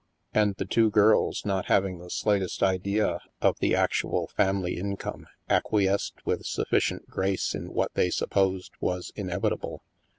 And the two girls, not having the slightest idea of the actual family income, acquiesced with sufficient grace in what they sup posed was inevitable.